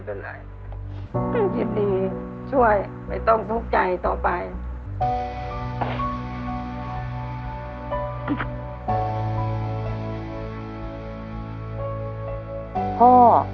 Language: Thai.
ช่วยไม่ต้องพลุกใจต่อไป